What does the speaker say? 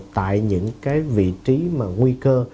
tại những vị trí nguy cơ